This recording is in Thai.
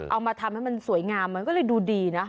เอามาทำให้มันสวยงามมันก็เลยดูดีนะ